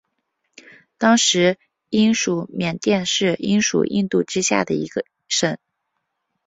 当时英属缅甸是英属印度之下的一省。